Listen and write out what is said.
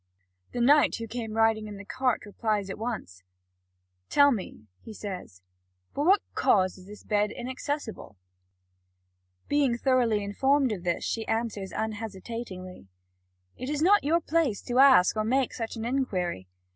The knight who came riding on the cart replies at once: "Tell me," he says, "for what cause this bed is inaccessible." Being thoroughly informed of this, she answers unhesitatingly: "It is not your place to ask or make such an inquiry.